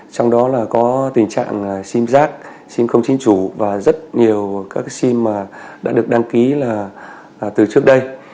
trong đó là có tình trạng sim giác sim không chính chủ và rất nhiều các cái sim mà đã được đăng ký là từ trước đây